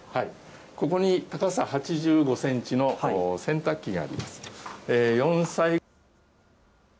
ここに高さ８５センチの洗濯機があります。